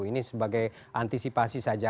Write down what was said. ini sebagai antisipasi saja